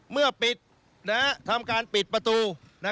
เมื่อปิดทำการปิดประตู